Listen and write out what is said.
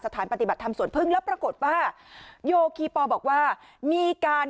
สถานปฏิบัติธรรมสวนพึ่งแล้วปรากฏว่าโยคีปอลบอกว่ามีการ